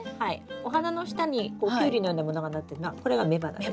お花の下にキュウリのようなものがなってるのはこれが雌花です。